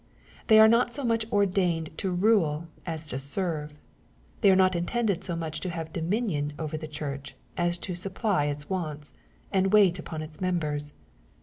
They are not so much ordained to rule as to serve. They are not intended so much to have dominion over the Church, as to supply its wants, and wait upon its members.